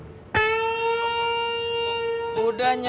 masa sekarang niru sudah morsi nya